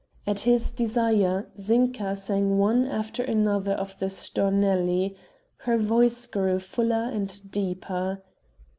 At his desire Zinka sang one after another of the Stornelli ... her voice grew fuller and deeper